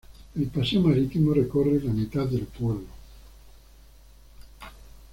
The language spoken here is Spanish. El paseo marítimo recorre la mitad del pueblo.